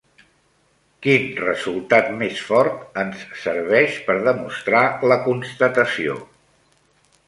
Quin resultat més fort ens serveix per demostrar la constatació?